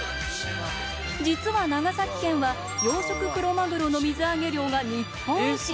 実は長崎県は、養殖クロマグロの水揚げ量が日本一。